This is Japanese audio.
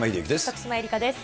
徳島えりかです。